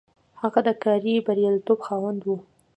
هغه د کاري برياليتوب خاوند و.